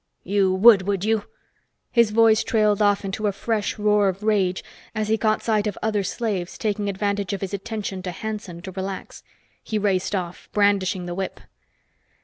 You would, would you!" His voice trailed off into a fresh roar of rage as he caught sight of other slaves taking advantage of his attention to Hanson to relax. He raced off, brandishing the whip.